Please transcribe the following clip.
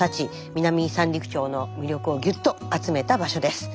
南三陸町の魅力をぎゅっと集めた場所です。